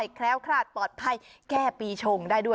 แคล้วคลาดปลอดภัยแก้ปีชงได้ด้วย